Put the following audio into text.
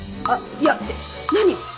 「あっいや」って何？